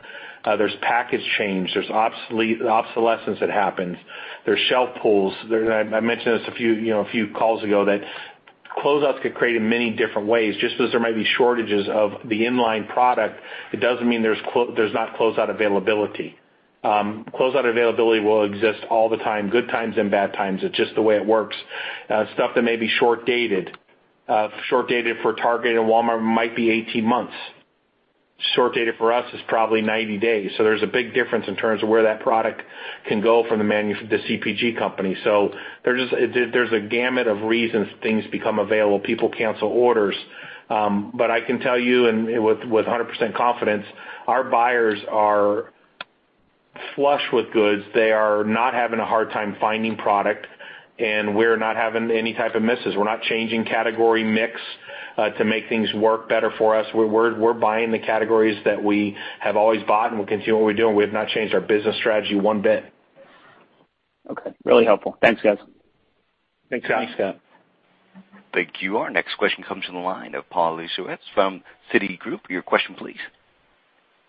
There's package change. There's obsolescence that happens. There's shelf pulls. I mentioned this a few calls ago, that closeouts could create in many different ways. Just because there might be shortages of the inline product, it doesn't mean there's not closeout availability. Closeout availability will exist all the time, good times and bad times. It's just the way it works. Stuff that may be short-dated, short-dated for Target and Walmart might be 18 months. Short-dated for us is probably 90 days. So there's a big difference in terms of where that product can go from the CPG company. So there's a gamut of reasons things become available. People cancel orders. But I can tell you with 100% confidence, our buyers are flush with goods. They are not having a hard time finding product, and we're not having any type of misses. We're not changing category mix to make things work better for us. We're buying the categories that we have always bought, and we'll continue what we're doing. We have not changed our business strategy one bit. Okay. Really helpful. Thanks, guys. Thanks, Scot. Thank you. Our next question comes from the line of Paul Lejuez from Citigroup. Your question, please.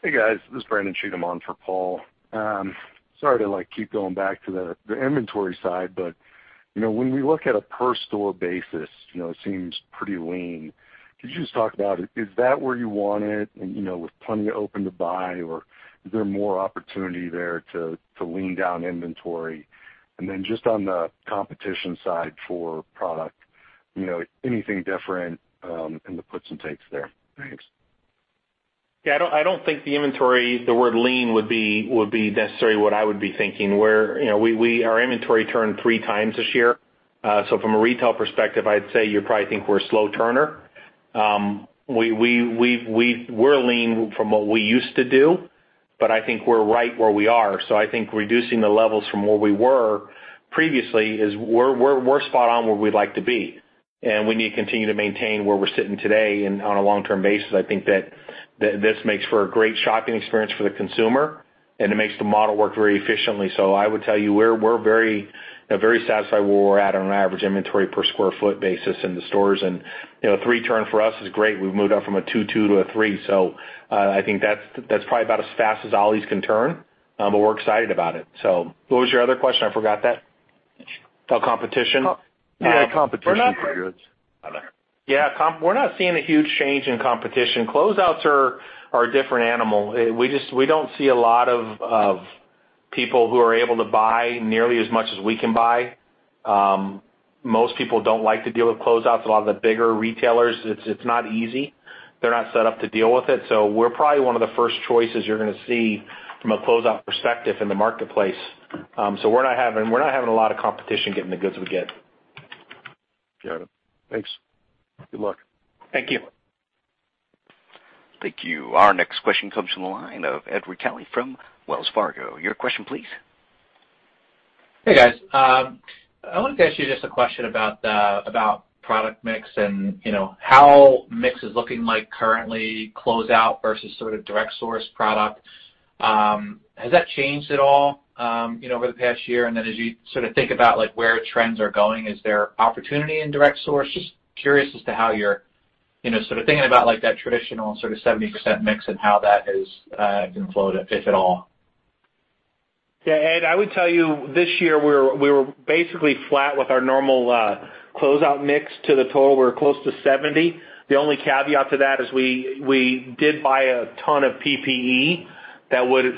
Hey, guys. This is Brandon Cheatham on for Paul. Sorry to keep going back to the inventory side, but when we look at a per-store basis, it seems pretty lean. Could you just talk about it? Is that where you want it with plenty of open to buy, or is there more opportunity there to lean down inventory? And then just on the competition side for product, anything different in the puts and takes there? Thanks. Yeah. I don't think the inventory, the word lean, would be necessarily what I would be thinking. Our inventory turned 3 times this year. So from a retail perspective, I'd say you'd probably think we're slow-turner. We're lean from what we used to do, but I think we're right where we are. So I think reducing the levels from where we were previously is we're spot on where we'd like to be. And we need to continue to maintain where we're sitting today on a long-term basis. I think that this makes for a great shopping experience for the consumer, and it makes the model work very efficiently. So I would tell you, we're very satisfied where we're at on an average inventory per square foot basis in the stores. And a 3-turn for us is great. We've moved up from a 2.2 to a 3. I think that's probably about as fast as Ollie's can turn, but we're excited about it. So what was your other question? I forgot that. Competition? Yeah. Competition for goods. Yeah. We're not seeing a huge change in competition. Closeouts are a different animal. We don't see a lot of people who are able to buy nearly as much as we can buy. Most people don't like to deal with Closeouts. A lot of the bigger retailers, it's not easy. They're not set up to deal with it. So we're probably one of the first choices you're going to see from a closeout perspective in the marketplace. So we're not having a lot of competition getting the goods we get. Got it. Thanks. Good luck. Thank you. Thank you. Our next question comes from the line of Edward Kelly from Wells Fargo. Your question, please. Hey, guys. I wanted to ask you just a question about product mix and how mix is looking like currently, closeout versus sort of direct-source product. Has that changed at all over the past year? And then as you sort of think about where trends are going, is there opportunity in direct source? Just curious as to how you're sort of thinking about that traditional sort of 70% mix and how that has influenced, if at all. Yeah. And I would tell you, this year, we were basically flat with our normal closeout mix to the total. We were close to 70%. The only caveat to that is we did buy a ton of PPE that,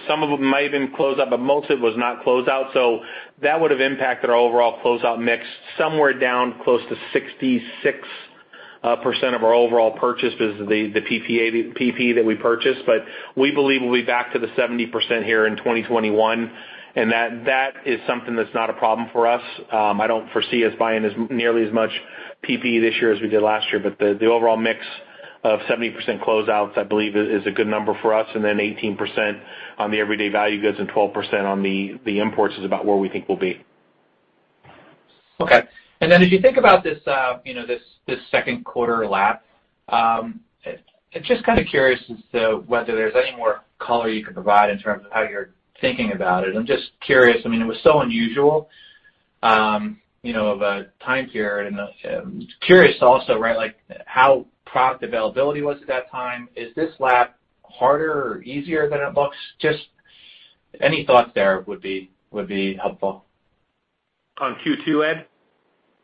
some of it might have been closeout, but most of it was not closeout. So that would have impacted our overall closeout mix, somewhere down close to 66% of our overall purchase because of the PPE that we purchased. But we believe we'll be back to the 70% here in 2021, and that is something that's not a problem for us. I don't foresee us buying nearly as much PPE this year as we did last year, but the overall mix of 70% closeouts, I believe, is a good number for us. And then 18% on the everyday value goods and 12% on the imports is about where we think we'll be. Okay. And then as you think about this second quarter lap, just kind of curious as to whether there's any more color you could provide in terms of how you're thinking about it. I'm just curious. I mean, it was so unusual of a time period. And curious also, right, how product availability was at that time. Is this lap harder or easier than it looks? Just any thoughts there would be helpful. On Q2, Ed?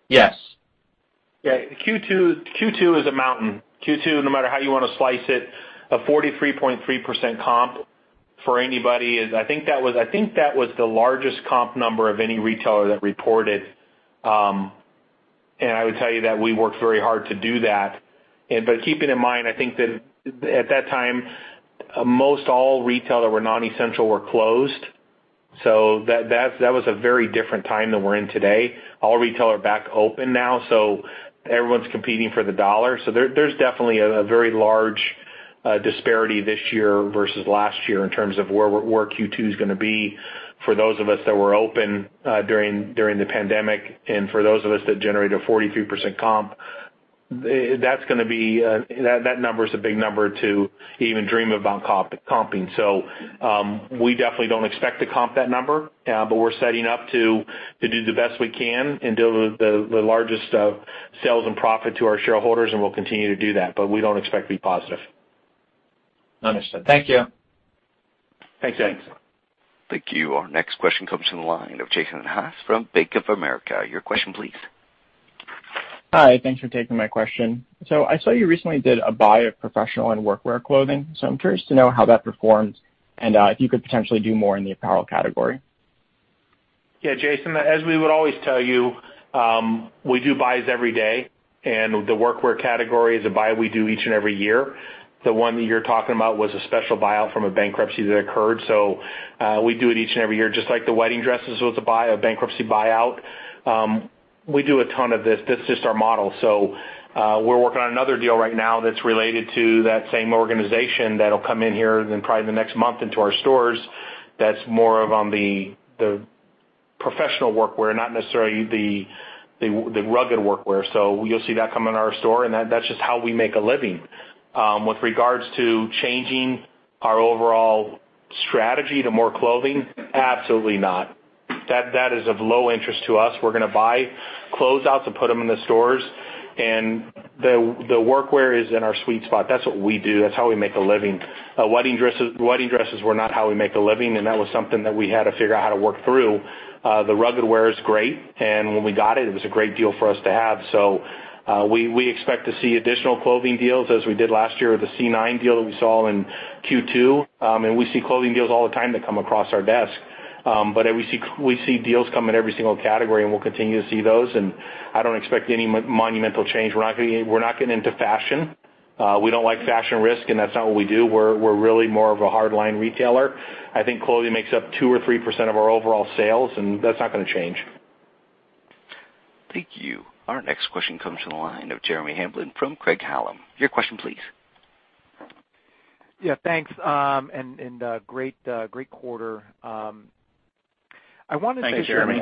Yes. Yeah. Q2 is a mountain. Q2, no matter how you want to slice it, a 43.3% comp for anybody is I think that was the largest comp number of any retailer that reported. I would tell you that we worked very hard to do that. But keeping in mind, I think that at that time, most all retailers were non-essential were closed. That was a very different time than we're in today. All retailers are back open now, so everyone's competing for the dollar. So there's definitely a very large disparity this year versus last year in terms of where Q2 is going to be for those of us that were open during the pandemic and for those of us that generated a 43% comp. That's going to be that number is a big number to even dream about comping. We definitely don't expect to comp that number, but we're setting up to do the best we can and deal with the largest sales and profit to our shareholders, and we'll continue to do that. But we don't expect to be positive. Understood. Thank you. Thanks, guys. Thank you. Our next question comes from the line of Jason Haas from Bank of America. Your question, please. Hi. Thanks for taking my question. So I saw you recently did a buy of professional and workwear clothing. So I'm curious to know how that performed and if you could potentially do more in the apparel category. Yeah, Jason. As we would always tell you, we do buys every day, and the workwear category is a buy we do each and every year. The one that you're talking about was a special buyout from a bankruptcy that occurred. So we do it each and every year, just like the wedding dresses was a bankruptcy buyout. We do a ton of this. That's just our model. So we're working on another deal right now that's related to that same organization that'll come in here then probably in the next month into our stores that's more of on the professional workwear, not necessarily the rugged workwear. So you'll see that coming to our store, and that's just how we make a living. With regards to changing our overall strategy to more clothing, absolutely not. That is of low interest to us. We're going to buy closeouts and put them in the stores, and the workwear is in our sweet spot. That's what we do. That's how we make a living. Wedding dresses were not how we make a living, and that was something that we had to figure out how to work through. The rugged wear is great, and when we got it, it was a great deal for us to have. So we expect to see additional clothing deals as we did last year with the C9 deal that we saw in Q2. And we see clothing deals all the time that come across our desk. But we see deals come in every single category, and we'll continue to see those. And I don't expect any monumental change. We're not getting into fashion. We don't like fashion risk, and that's not what we do. We're really more of a hardline retailer. I think clothing makes up 2 or 3% of our overall sales, and that's not going to change. Thank you. Our next question comes from the line of Jeremy Hamblin from Craig-Hallum. Your question, please. Yeah. Thanks and great quarter. I wanted to just. Thanks, Jeremy.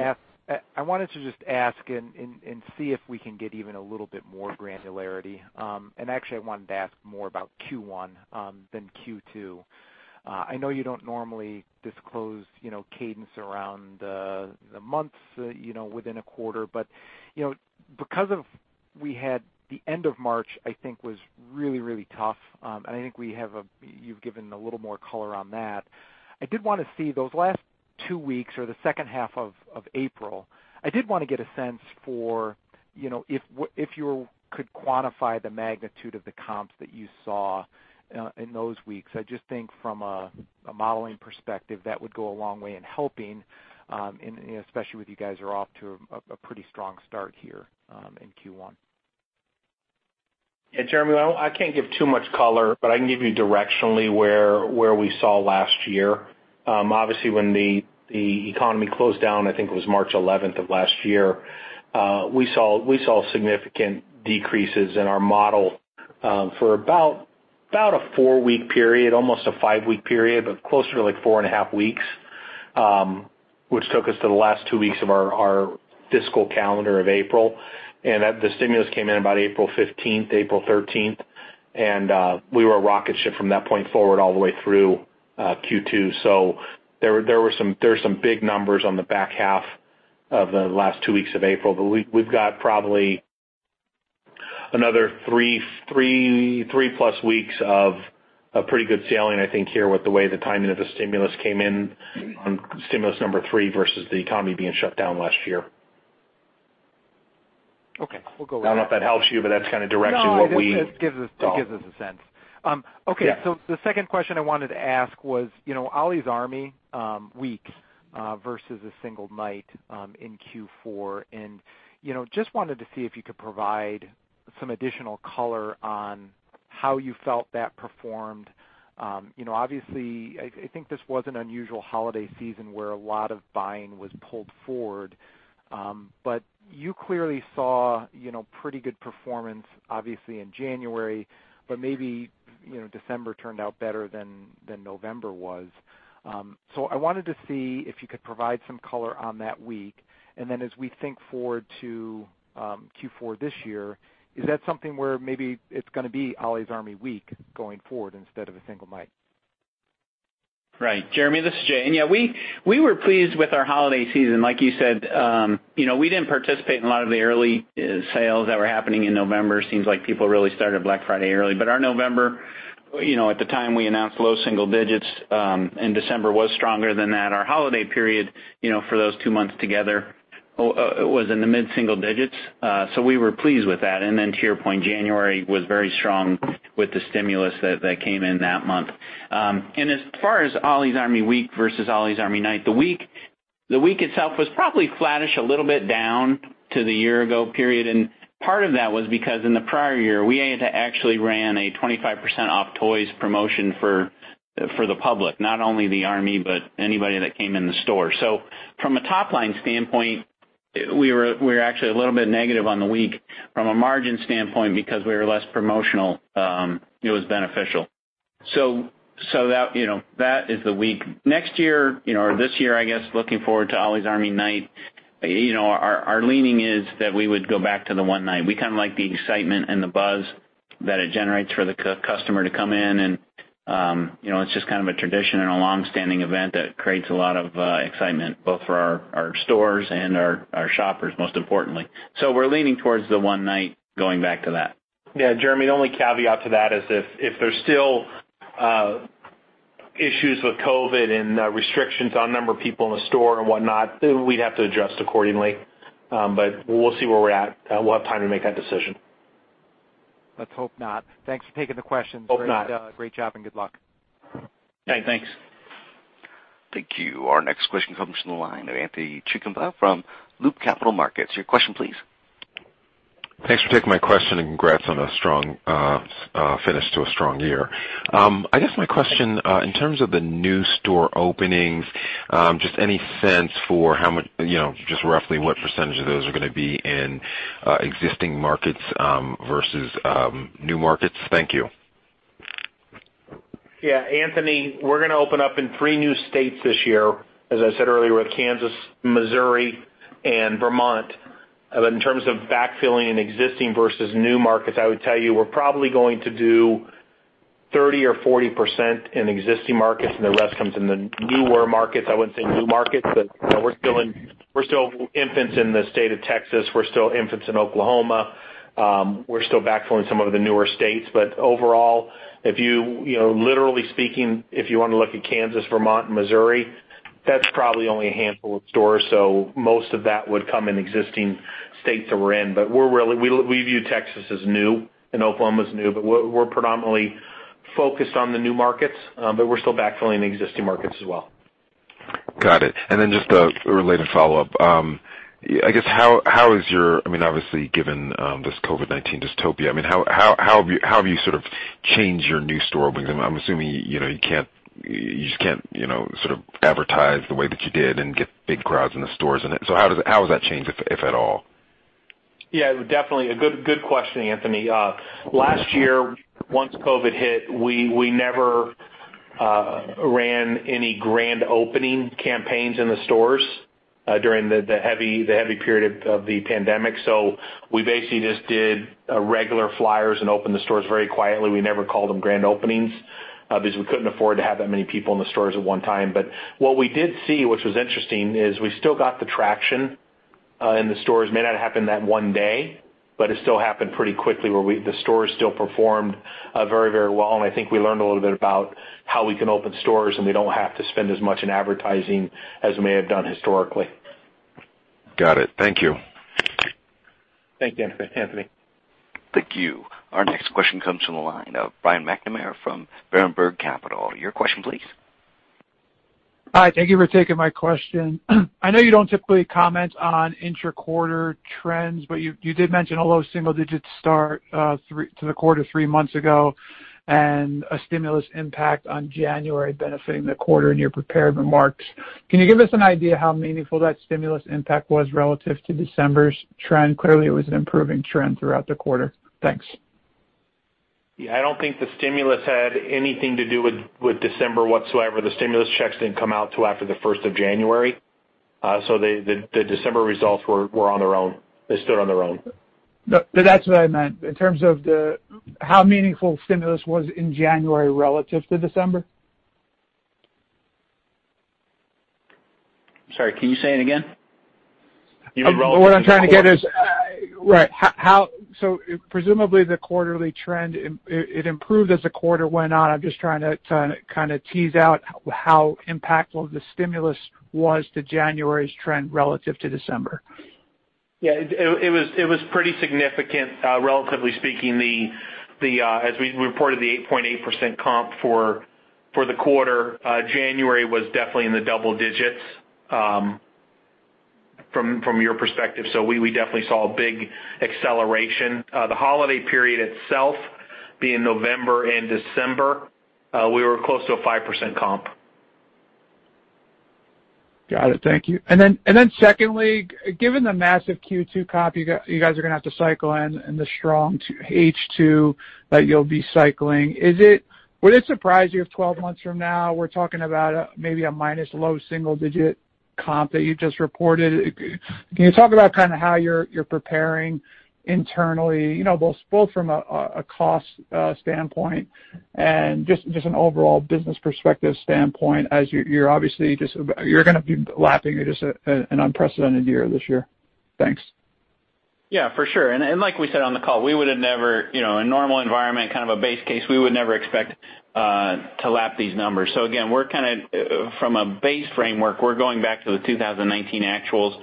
I wanted to just ask and see if we can get even a little bit more granularity. Actually, I wanted to ask more about Q1 than Q2. I know you don't normally disclose cadence around the months within a quarter, but because we had the end of March, I think, was really, really tough. I think you've given a little more color on that. I did want to see those last two weeks or the second half of April. I did want to get a sense for if you could quantify the magnitude of the comps that you saw in those weeks. I just think from a modeling perspective, that would go a long way in helping, especially with you guys who are off to a pretty strong start here in Q1. Yeah, Jeremy, I can't give too much color, but I can give you directionally where we saw last year. Obviously, when the economy closed down, I think it was March 11th of last year, we saw significant decreases in our model for about a 4-week period, almost a 5-week period, but closer to like 4.5 weeks, which took us to the last 2 weeks of our fiscal calendar of April. The stimulus came in about April 15th, April 13th, and we were a rocket ship from that point forward all the way through Q2. So there were some big numbers on the back half of the last 2 weeks of April, but we've got probably another 3+ weeks of pretty good sailing, I think, here with the way the timing of the stimulus came in on stimulus number 3 versus the economy being shut down last year. Okay. We'll go with that. I don't know if that helps you, but that's kind of directionally what we. No, it gives us a sense. Okay. So the second question I wanted to ask was Ollie's Army Week versus a single night in Q4. And just wanted to see if you could provide some additional color on how you felt that performed. Obviously, I think this was an unusual holiday season where a lot of buying was pulled forward, but you clearly saw pretty good performance, obviously, in January, but maybe December turned out better than November was. So I wanted to see if you could provide some color on that week. And then as we think forward to Q4 this year, is that something where maybe it's going to be Ollie's Army Week going forward instead of a single night? Right. Jeremy, this is Jay, and yeah, we were pleased with our holiday season. Like you said, we didn't participate in a lot of the early sales that were happening in November. Seems like people really started Black Friday early. But our November, at the time we announced low single digits, and December was stronger than that. Our holiday period for those two months together was in the mid-single digits. So we were pleased with that. And then to your point, January was very strong with the stimulus that came in that month. And as far as Ollie's Army Week versus Ollie's Army Night, the week itself was probably flattish a little bit down to the year-ago period. And part of that was because in the prior year, we actually ran a 25% off toys promotion for the public, not only the army, but anybody that came in the store. So from a top-line standpoint, we were actually a little bit negative on the week. From a margin standpoint, because we were less promotional, it was beneficial. So that is the week. Next year or this year, I guess, looking forward to Ollie's Army Night, our leaning is that we would go back to the one night. We kind of like the excitement and the buzz that it generates for the customer to come in. And it's just kind of a tradition and a long-standing event that creates a lot of excitement, both for our stores and our shoppers, most importantly. So we're leaning towards the one night, going back to that. Yeah. Jeremy, the only caveat to that is if there's still issues with COVID and restrictions on a number of people in the store and whatnot, then we'd have to adjust accordingly. But we'll see where we're at. We'll have time to make that decision. Let's hope not. Thanks for taking the questions. Hope not. Great job and good luck. All right. Thanks. Thank you. Our next question comes from the line of Anthony Chukumba from Loop Capital Markets. Your question, please. Thanks for taking my question and congrats on a strong finish to a strong year. I guess my question, in terms of the new store openings, just any sense for just roughly what percentage of those are going to be in existing markets versus new markets? Thank you. Yeah. Anthony, we're going to open up in 3 new states this year. As I said earlier, we're at Kansas, Missouri, and Vermont. But in terms of backfilling in existing versus new markets, I would tell you we're probably going to do 30% or 40% in existing markets, and the rest comes in the newer markets. I wouldn't say new markets, but we're still infants in the state of Texas. We're still infants in Oklahoma. We're still backfilling some of the newer states. But overall, literally speaking, if you want to look at Kansas, Vermont, and Missouri, that's probably only a handful of stores. So most of that would come in existing states that we're in. But we view Texas as new and Oklahoma as new, but we're predominantly focused on the new markets. But we're still backfilling existing markets as well. Got it. And then just a related follow-up, I guess, how is your—I mean, obviously, given this COVID-19 dystopia, I mean, how have you sort of changed your new store openings? I'm assuming you can't just sort of advertise the way that you did and get big crowds in the stores. And so how has that changed, if at all? Yeah. Definitely a good question, Anthony. Last year, once COVID hit, we never ran any grand opening campaigns in the stores during the heavy period of the pandemic. We basically just did regular flyers and opened the stores very quietly. We never called them grand openings because we couldn't afford to have that many people in the stores at one time. What we did see, which was interesting, is we still got the traction in the stores. It may not have happened that one day, but it still happened pretty quickly where the stores still performed very, very well. I think we learned a little bit about how we can open stores and we don't have to spend as much in advertising as we may have done historically. Got it. Thank you. Thank you, Anthony Thank you. Our next question comes from the line of Brian McNamara from Berenberg. Your question, please. Hi. Thank you for taking my question. I know you don't typically comment on inter quarter trends, but you did mention a low single-digit start to the quarter three months ago and a stimulus impact on January benefiting the quarter in your prepared remarks. Can you give us an idea how meaningful that stimulus impact was relative to December's trend? Clearly, it was an improving trend throughout the quarter. Thanks. Yeah. I don't think the stimulus had anything to do with December whatsoever. The stimulus checks didn't come out till after the 1st of January. So the December results were on their own. They stood on their own. That's what I meant. In terms of how meaningful stimulus was in January relative to December? I'm sorry. Can you say it again? You mean relative to? What I'm trying to get is right. So presumably, the quarterly trend, it improved as the quarter went on. I'm just trying to kind of tease out how impactful the stimulus was to January's trend relative to December. Yeah. It was pretty significant, relatively speaking. As we reported, the 8.8% comp for the quarter. January was definitely in the double digits from your perspective. So we definitely saw a big acceleration. The holiday period itself, being November and December, we were close to a 5% comp. Got it. Thank you. And then secondly, given the massive Q2 comp you guys are going to have to cycle in and the strong H2 that you'll be cycling, would it surprise you if 12 months from now, we're talking about maybe a minus low single-digit comp that you just reported? Can you talk about kind of how you're preparing internally, both from a cost standpoint and just an overall business perspective standpoint, as you're obviously just going to be lapping just an unprecedented year this year? Thanks. Yeah. For sure. And like we said on the call, we would have never in a normal environment, kind of a base case, we would never expect to lap these numbers. So again, from a base framework, we're going back to the 2019 actuals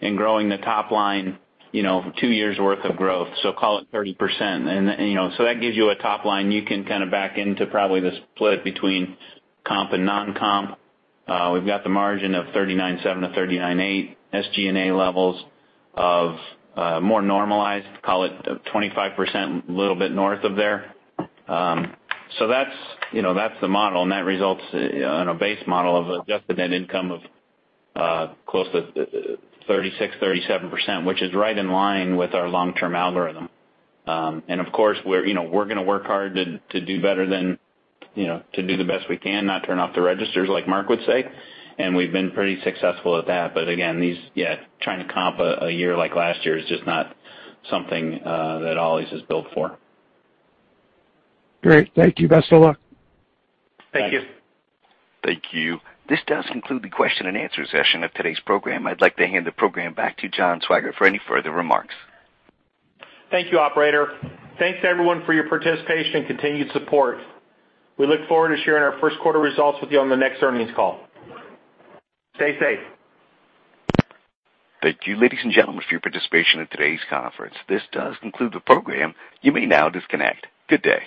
and growing the top line two years' worth of growth. So call it 30%. And so that gives you a top line. You can kind of back into probably the split between comp and non-comp. We've got the margin of 39.7%-39.8%, SG&A levels of more normalized, call it 25% a little bit north of there. So that's the model. And that results in a base model of adjusted net income of close to 36%-37%, which is right in line with our long-term algorithm. And of course, we're going to work hard to do better than to do the best we can, not turn off the registers, like Mark would say. And we've been pretty successful at that. But again, yeah, trying to comp a year like last year is just not something that Ollie's has built for. Great. Thank you. Best of luck. Thank you. Thank you. This does conclude the question and answer session of today's program. I'd like to hand the program back to John Swygert for any further remarks. Thank you, operator. Thanks, everyone, for your participation and continued support. We look forward to sharing our first quarter results with you on the next earnings call. Stay safe. Thank you, ladies and gentlemen, for your participation in today's conference. This does conclude the program. You may now disconnect. Good day.